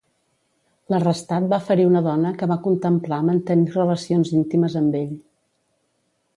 L'arrestat va ferir una dona que va contemplar mantenir relacions íntimes amb ell.